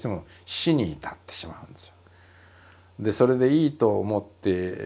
死にいってしまうんです。